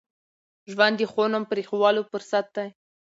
ژوند د ښو نوم پرېښوولو فرصت دی.